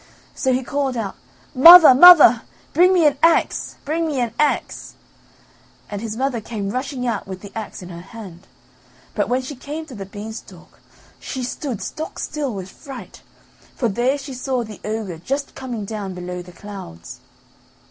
So he called out: "Mother! mother! bring me an axe, bring me an axe." And his mother came rushing out with the axe in her hand, but when she came to the beanstalk she stood stock still with fright for there she saw the ogre just coming down below the clouds.